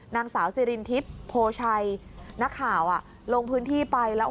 นางสาวสิรินทิพย์โพชัยนักข่าวลงพื้นที่ไปแล้ว